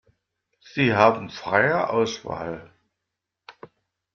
Sie haben freie Auswahl.